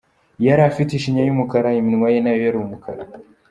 Yari afite ishinya y’umukara, iminwa ye nayo ari umukara.